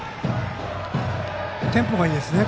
テンポがいいですね。